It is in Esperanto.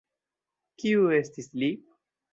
Kiu estis li?